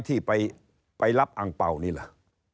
ที่ไปรับอังเปล่านี่หรือ